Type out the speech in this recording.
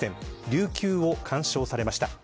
琉球を鑑賞されました。